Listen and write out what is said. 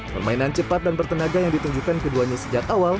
permainan cepat dan bertenaga yang ditunjukkan keduanya sejak awal